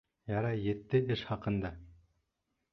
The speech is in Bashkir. Ярай, етте эш хаҡында!